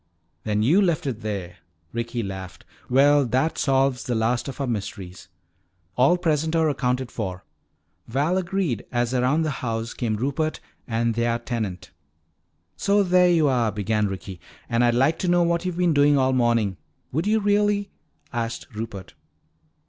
"Then you left it there," Ricky laughed. "Well, that solves the last of our mysteries." "All present or accounted for," Val agreed as around the house came Rupert and their tenant. "So there you are," began Ricky. "And I'd like to know what you've been doing all morning " "Would you really?" asked Rupert.